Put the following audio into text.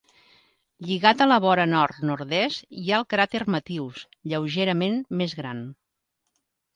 Lligat a la vora nord-nord-est hi ha el cràter Metius, lleugerament més gran.